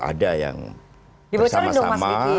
ada yang bersama sama